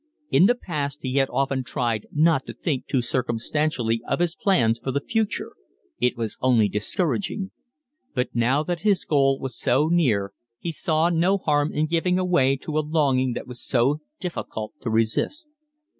In the past he had often tried not to think too circumstantially of his plans for the future, it was only discouraging; but now that his goal was so near he saw no harm in giving away to a longing that was so difficult to resist.